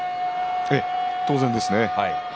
当然ですね。